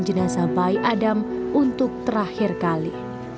jenazah bayi adam untuk terakhir kali